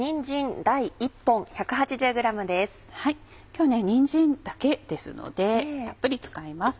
今日はにんじんだけですのでたっぷり使います。